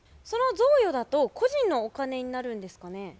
その贈与だと個人のお金になるんですかね？